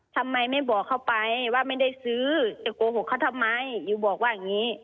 ทำไมไม่บอกเขาไปว่าไม่ได้ซื้อจะโกหกเขาทำไมอิวบอกว่าอย่างนี้